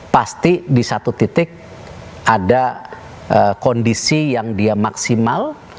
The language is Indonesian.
pasti di satu titik ada kondisi yang dia maksimal